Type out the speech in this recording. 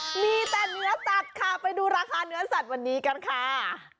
มีแต่เนื้อสัตว์ค่ะไปดูราคาเนื้อสัตว์วันนี้กันค่ะ